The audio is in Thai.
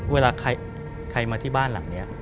เวลาใครมาที่บ้านหลังนี้